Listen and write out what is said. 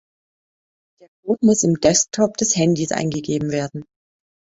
Der Code muss im „Desktop“ des Handys eingegeben werden.